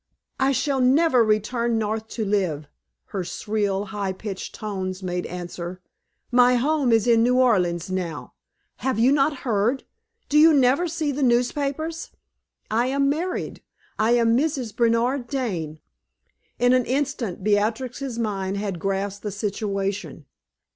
"I shall never return North to live!" her shrill, high pitched tones made answer; "my home is in New Orleans now. Have you not heard? Do you never see the newspapers? I am married. I am Mrs. Bernard Dane!" In an instant Beatrix's mind had grasped the situation.